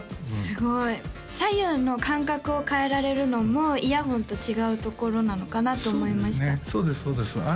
すごい左右の間隔を変えられるのもイヤホンと違うところなのかなと思いましたそうですね